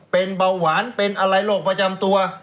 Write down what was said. เป็นเบาหวานเป็นอะไรโรคประจำตัว